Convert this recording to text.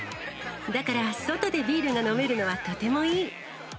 だから、外でビールが飲めるのはとてもいい。